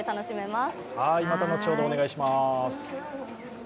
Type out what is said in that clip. また後ほど、お願いします。